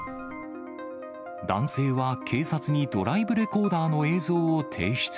男性は、警察にドライブレコーダーの映像を提出。